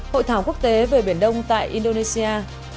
hội thảo quốc tế về biển đông tại indonesia